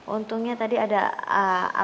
untungnya tadi ada alex yang